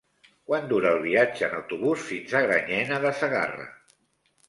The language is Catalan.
Quant dura el viatge en autobús fins a Granyena de Segarra?